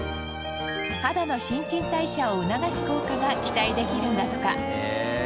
肌の新陳代謝を促す効果が期待できるんだとか。